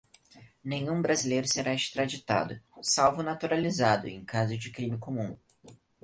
nenhum brasileiro será extraditado, salvo o naturalizado, em caso de crime comum